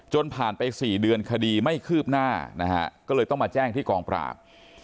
ผ่านไป๔เดือนคดีไม่คืบหน้านะฮะก็เลยต้องมาแจ้งที่กองปราบ